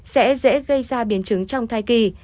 sẽ dễ gây ra biến chứng trong thai kỳ